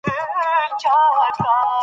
ژبه باید د بازار، ښوونځي او کور ژبه وي.